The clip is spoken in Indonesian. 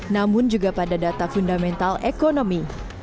namun juga pada data fundamental ekonomi